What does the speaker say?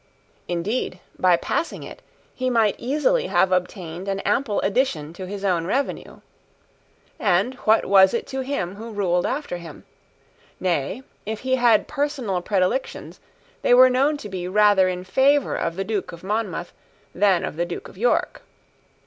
Indeed, by passing it, he might easily have obtained an ample addition to his own revenue. And what was it to him who ruled after him? Nay, if he had personal predilections, they were known to be rather in favour of the Duke of Monmouth than of the Duke of York.